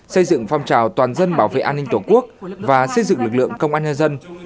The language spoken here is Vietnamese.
xây dựng phong trào toàn dân bảo vệ an ninh tổ quốc và xây dựng lực lượng công an nhân dân